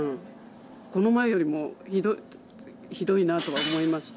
この前よりもひどいなとは思いました。